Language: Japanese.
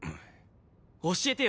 教えてよ！